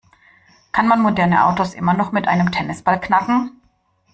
Kann man moderne Autos immer noch mit einem Tennisball knacken?